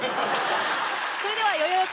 それではよよよ